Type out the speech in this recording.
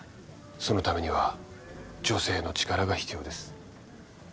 そのためには女性の力が必要です。